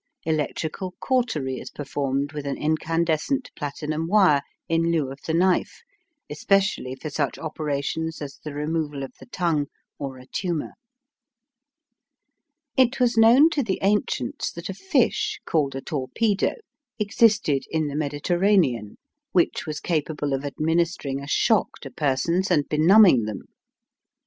Electrical cautery is performed with an incandescent platinum wire in lieu of the knife, especially for such operations as the removal of the tongue or a tumour. It was known to the ancients that a fish called a torpedo existed in the Mediterranean which was capable of administering a shock to persons and benumbing them.